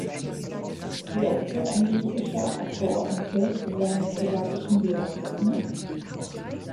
Wie oft wird ein griechischer Abgeordneter seine slowakischen Wähler treffen?